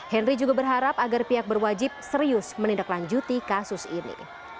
henry juga berharap agar pihak berwajib serius menindaklanjuti kasus ini